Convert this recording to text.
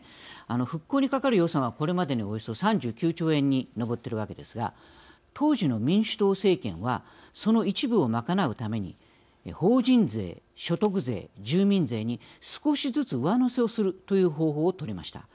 復興にかかる予算はこれまでにおよそ３９兆円に上っているわけですが当時の民主党政権はその一部を賄うために法人税、所得税、住民税に少しずつ上乗せをするという方法をとりました。